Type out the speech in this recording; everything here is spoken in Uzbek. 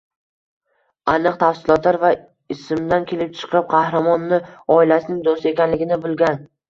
Aniq tavsilotlar va ismdan kelib chiqib, “qahramon”ni oilasining do‘sti ekanligini bilgan.